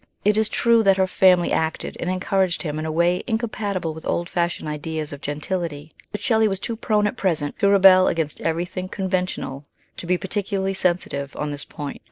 It is true that her family acted and encouraged him in a way incom patible with old fashioned ideas of gentility, but Shelley was too prone at present to rebel against everything conventional to be particularly sensitive on this point.